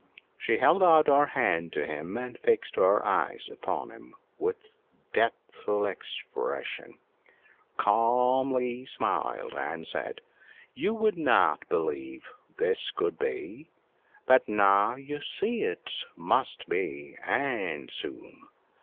She held out her hand to him, and fixing her eyes upon him with deathful expression, calmly smiled, and said "You would not believe this could be; but now you see it must be, and soon.